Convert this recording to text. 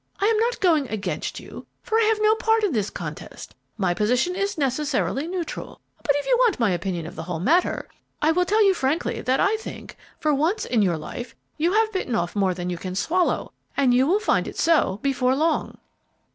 I am not going against you, for I have no part in this contest; my position is necessarily neutral; but if you want my opinion of the whole matter, I will tell you frankly that I think, for once in your life, you have bitten off more than you can swallow, and you will find it so before long."